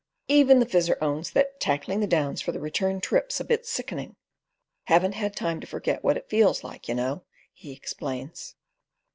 Even the Fizzer owns that "tackling the Downs for the return trip's a bit sickening; haven't had time to forget what it feels like, you know," he explains.